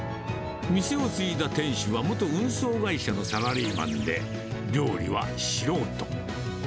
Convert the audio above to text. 店を継いだ店主は元運送会社のサラリーマンで、料理は素人。